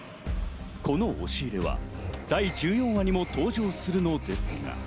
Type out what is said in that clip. この押し入れは、第１４話にも登場するのですが。